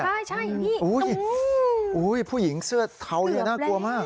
ใช่ใช่อยู่นี่อุ้ยผู้หญิงเสื้อเท้าเย็นหน้ากลัวมาก